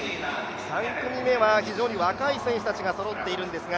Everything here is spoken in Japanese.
３組目は非常に若い選手たちがそろっているんですが、